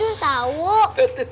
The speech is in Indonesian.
bella mau tidur tau